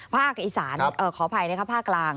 ภาคอีสานขออภัยนะครับภาคกลาง